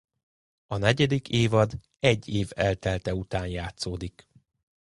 A negyedik évad egy év eltelte után játszódik.